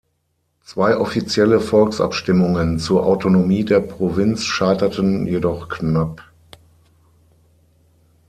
Zwei offizielle Volksabstimmungen zur Autonomie der Provinz scheiterten jedoch knapp.